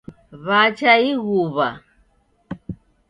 Wwacha ighuwa